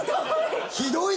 ひどい！